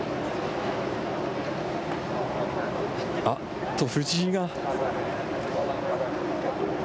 あっと、藤井が。